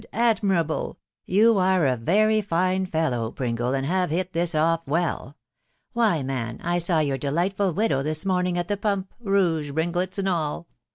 ..•. admirable !...• You are a very fine fellow, Pringle, and have hit this off well. Why, man, I saw your delightful widow this morning at the pump, rouge, ringlets, and all